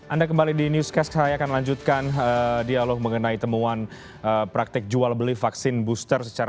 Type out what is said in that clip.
anda kembali di newscast saya akan lanjutkan dialog mengenai temuan praktik jual beli vaksin booster